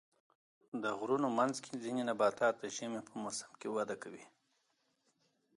د غرونو منځ کې ځینې نباتات د ژمي په موسم کې وده کوي.